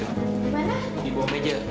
di mana di bawah meja